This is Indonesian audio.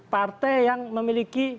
partai yang memiliki